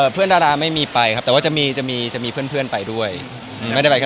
เป็นไงว่าจะมีแต่เรากับเต้อ